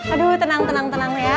aduh tenang tenang ya